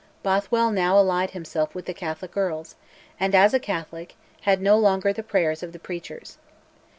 Bothwell now allied himself with the Catholic earls, and, as a Catholic, had no longer the prayers of the preachers.